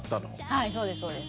はいそうですそうです。